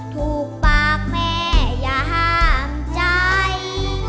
ถูกปากแม่อย่าห้ามใจ